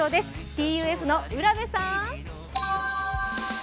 ＴＵＦの浦部さん。